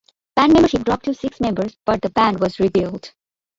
Band membership dropped to six members but the band was rebuilt.